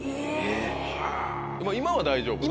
今は大丈夫？